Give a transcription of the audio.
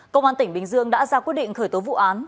công an tỉnh bình dương đã ra quyết định khởi tố vụ án